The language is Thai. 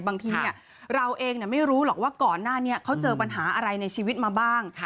บางทีเราเองไม่รู้หรอกว่าก่อนหน้านี้เขาเจอปัญหาอะไรในชีวิตมาบ้าง